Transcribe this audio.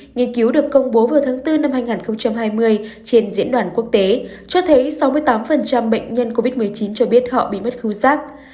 nghiên cứu được công bố vào tháng bốn năm hai nghìn hai mươi trên diễn đàn quốc tế cho thấy sáu mươi tám bệnh nhân covid một mươi chín cho biết họ bị mất khu giác